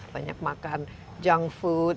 banyak makan junk food